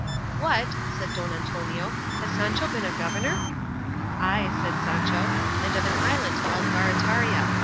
"What!" said Don Antonio, "has Sancho been a governor?" "Ay," said Sancho, "and of an island called Barataria.